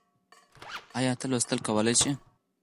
ايا ته لوستل کولی شې؟